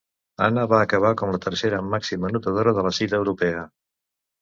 Anna va acabar com la tercera màxima anotadora de la cita europea.